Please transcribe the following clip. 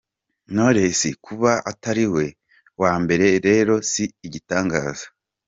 Knowless kuba atariwe wa mbere rero si igitangaza!”.